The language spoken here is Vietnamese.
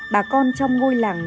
bà con trong ngôi làng